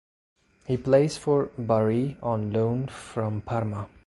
He plays for Bari on loan from Parma.